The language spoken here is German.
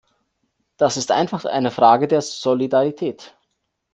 Das ist einfach eine Frage der Solidarität.